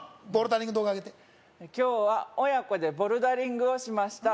動画上げて「今日は親子でボルダリングをしました」